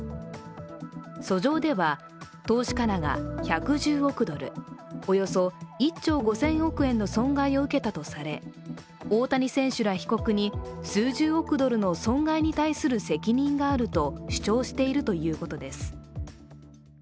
訴状では投資家らが１１０億ドル＝およそ１兆５０００億円の損害を受けたとされ大谷選手ら被告に数十億ドルの損害に対する責任があると主張しているということです。